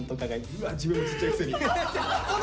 うわ自分もちっちゃいくせに。